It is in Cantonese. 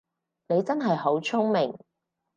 你真係好聰明